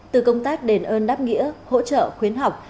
từ công tác đền ơn đáp nghĩa hỗ trợ khuyến học